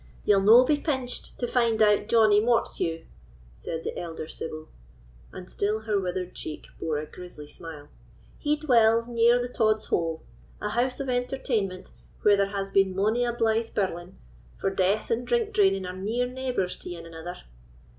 "Ye'll no be pinched to find out Johnie Mortsheugh," said the elder sibyl, and still her withered cheek bore a grisly smile; "he dwells near the Tod's Hole, an house of entertainment where there has been mony a blythe birling, for death and drink draining are near neighbours to ane anither."